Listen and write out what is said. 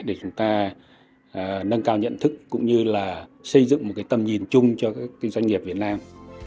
để chúng ta nâng cao nhận thức cũng như là xây dựng một tầm nhìn chung cho các doanh nghiệp việt nam